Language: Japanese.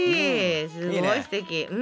すごいすてき。